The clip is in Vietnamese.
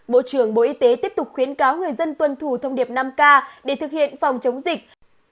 bộ trưởng bộ y tế tiếp tục khuyến cáo người dân tuân thủ thông điệp năm k để thực hiện phòng chống dịch